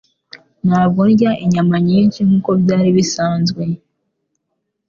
Ntabwo ndya inyama nyinshi nkuko byari bisanzwe